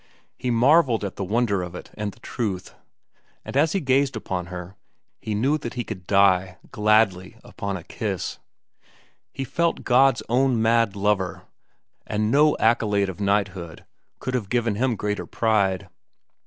He marvelled at the wonder of it and the truth; and as he gazed upon her he knew that he could die gladly upon a kiss. He felt himself God's own mad lover, and no accolade of knighthood could have given him greater pride.